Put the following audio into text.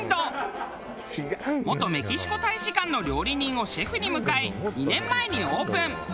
元メキシコ大使館の料理人をシェフに迎え２年前にオープン。